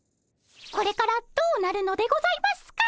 これからどうなるのでございますか？